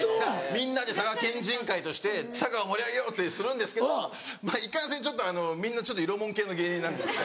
みんなで佐賀県人会として佐賀を盛り上げようってするんですけどいかんせんちょっとみんな色物系の芸人なんですね。